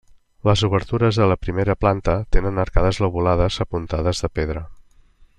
Les obertures de la primera planta tenen arcades lobulades apuntades de pedra.